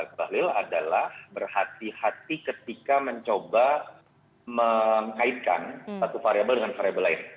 buat bang rahli adalah berhati hati ketika mencoba mengaitkan satu variabel dengan variabel lain